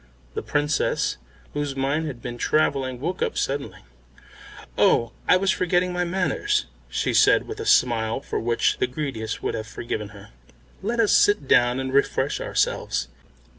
The Princess, whose mind had been travelling, woke up suddenly. "Oh, I was forgetting my manners," she said with a smile for which the greediest would have forgiven her. "Let us sit down and refresh ourselves.